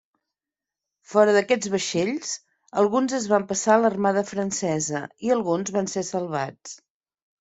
Fora d'aquests vaixells, alguns es van passar a l'Armada francesa i alguns van ser salvats.